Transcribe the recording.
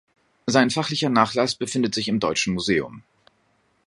Sein fachlicher Nachlass befindet sich im Deutschen Museum.